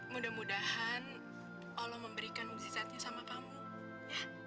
mudah mudahan allah memberikan muzizatnya sama kamu ya